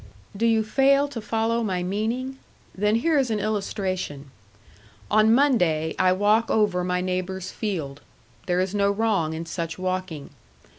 Do you fail to follow my meaning? Then here is an illustration. On Monday I walk over my neighbor's field; there is no wrong in such walking.